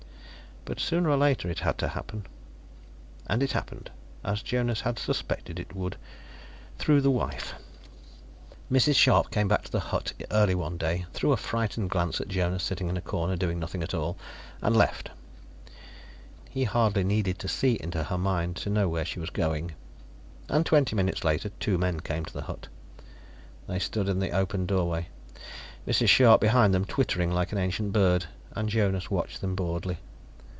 But sooner or later it had to happen. And it happened, as Jonas had suspected it would, through the wife. Mrs. Scharpe came back to the hut early one day, threw a frightened glance at Jonas sitting in a corner doing nothing at all, and left. He hardly needed to see into her mind to know where she was going. And twenty minutes later two men came to the hut. They stood in the opened doorway, Mrs. Scharpe behind them twittering like an ancient bird, and Jonas watched them boredly.